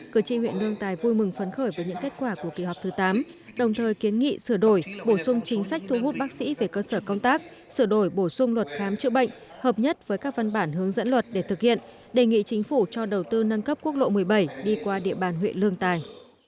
cử tri huyện lương tài vui mừng phấn khởi với những kết quả của kỳ họp thứ tám đồng thời kiến nghị sửa đổi bổ sung chính sách thu hút bác sĩ về cơ sở công tác sửa đổi bổ sung luật khám chữa bệnh hợp nhất với các văn bản hướng dẫn luật để thực hiện đề nghị chính phủ cho đầu tư nâng cấp quốc lộ một mươi bảy đi qua địa bàn huyện lương tài